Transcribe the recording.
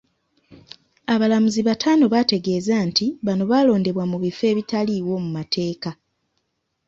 Abalamuzi bataano baategeeza nti bano baalondebwa mu bifo ebitaaliwo mu mateeka.